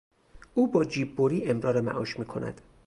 او با جیببری امرار معاش میکند.